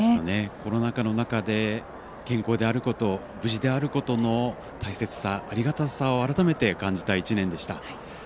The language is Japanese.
コロナ禍の中で健康であること無事であることの大切さありがたさを改めて感じた一年でした。